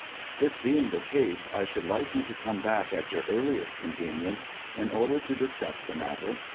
" This being the case, I should like you to come back at your earliest convenience, in order to discuss the matter.